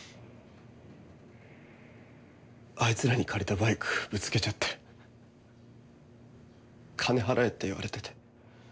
あいつらに借りたバイクぶつけちゃって金払えって言われてて。